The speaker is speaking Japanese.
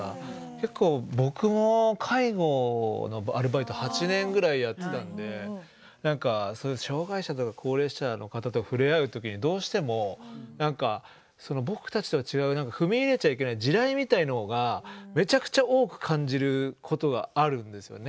結構僕も介護のアルバイト８年ぐらいやってたんで障害者とか高齢者の方と触れ合う時にどうしても何か僕たちとは違う踏み入れちゃいけない地雷みたいなのがめちゃくちゃ多く感じることがあるんですよね。